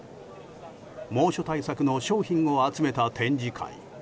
猛暑対策の商品を集めた展示会。